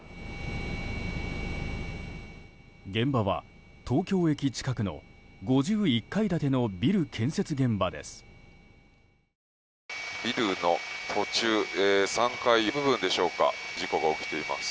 現場は東京駅近くの５１階建てのビル建設現場です。